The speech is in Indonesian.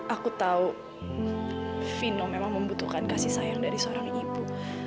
aku tahu vino memang membutuhkan kasih sayang dari seorang ibu